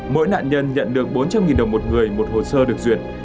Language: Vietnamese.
mỗi nạn nhân nhận được bốn trăm linh đồng một người một hồ sơ được duyệt